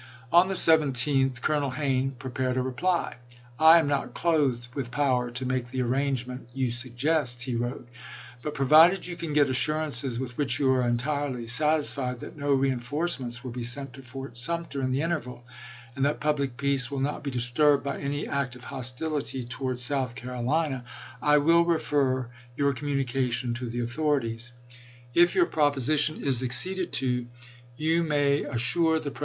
On the 17th Colonel Hayne prepared a reply. " I am not clothed with power to make the arrangement you suggest," he wrote, " but provided you can get assurances with which you are entirely satisfied, that no reinforce ments will be sent to Fort Sumter in the interval, and that public peace will not be disturbed by any act of hostility towards South Carolina, I will refer your communication to the authorities. .. If your THE SUMTER AND PICKENS TRUCE 157 proposition is acceded to you may assure the Presi chap.